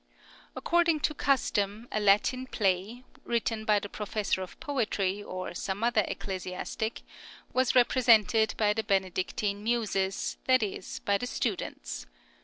According to custom, a Latin play, written by the Professor of Poetry, or some other ecclesiastic, was represented by the "Benedictine Muses," i.e., by the students.